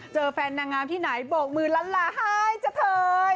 เจอแฟนนางงามที่ไหนบอกมือล้านละไฮจะเทย